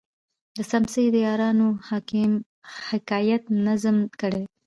د څمڅې د یارانو حکایت نظم کړی.